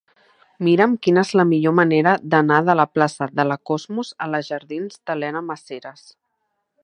Mira'm quina és la millor manera d'anar de la plaça de la Cosmos a la jardins d'Elena Maseras.